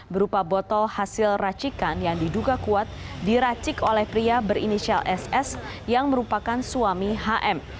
berupa botol hasil racikan yang diduga kuat diracik oleh pria berinisial ss yang merupakan suami hm